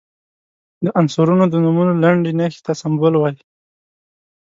د عنصرونو د نومونو لنډي نښې ته سمبول وايي.